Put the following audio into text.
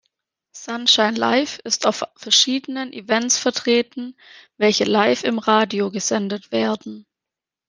Sunshine live ist auf verschiedenen Events vertreten, welche live im Radio gesendet werden.